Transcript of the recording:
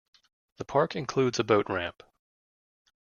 The park includes a boat ramp.